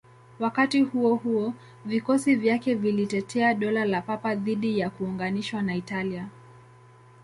Wakati huo huo, vikosi vyake vilitetea Dola la Papa dhidi ya kuunganishwa na Italia.